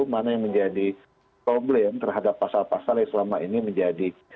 mana yang menjadi problem terhadap pasal pasal yang selama ini menjadi